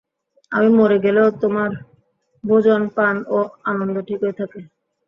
আমি মরে গেলেও তোমার ভোজন পান ও আনন্দ ঠিকই থাকে।